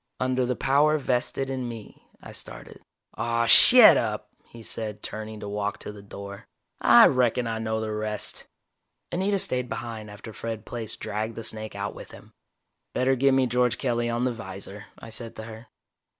"Under the power vested in me " I started. "Aw, shet up," he said, turning to walk to the door. "I reckon I know the rest!" Anita stayed behind after Fred Plaice dragged the snake out with him. "Better get me George Kelly on the 'visor," I said to her.